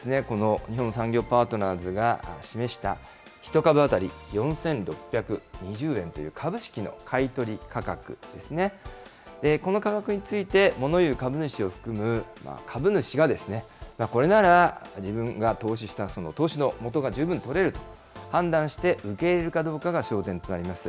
まずは、この日本産業パートナーズが示した、１株当たり４６２０円という株式の買い取り価格ですね、この価格について、もの言う株主を含む株主が、これなら自分が投資した投資のもとが十分取れると判断して、受け入れるかどうかが焦点となります。